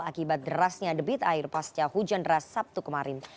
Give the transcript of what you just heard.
akibat derasnya debit air pasca hujan deras sabtu kemarin